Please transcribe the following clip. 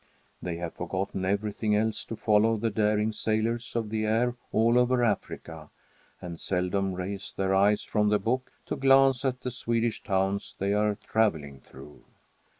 They have forgotten everything else to follow the daring sailors of the air all over Africa, and seldom raise their eyes from the book to glance at the Swedish towns they are travelling through.